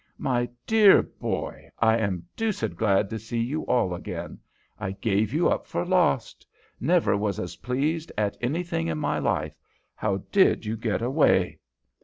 "My dear boy, I am deuced glad to see you all again. I gave you up for lost. Never was as pleased at anything in my life! How did you get away?"